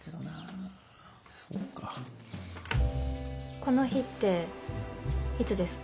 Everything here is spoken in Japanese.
この日っていつですか？